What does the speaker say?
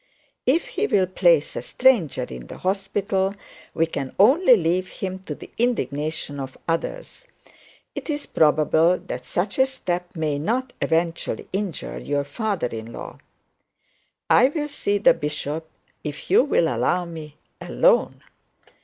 If he will place a stranger in the hospital, we can only leave him to the indignation of others. It is probable that such a step may not eventually injure your father in law. I will see the bishop, if you will allow me, alone.'